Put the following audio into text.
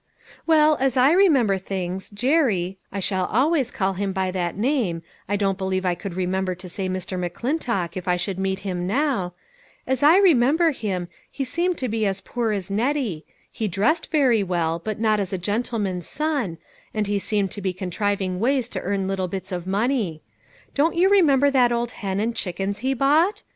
" Well, as I remember things, Jerry I shall always call him that name, I don't believe I could remember to say Mr. McClintock if I should meet him now as I remember him, he seemed to be as poor as Nettie ; he dressed very well, but not as a gentleman's son, and he seemed to be contriving ways to earn little bits of money. Don't you remember that old hen and chickens he bought?